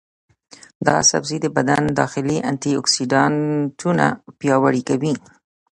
دا سبزی د بدن داخلي انټياکسیدانونه پیاوړي کوي.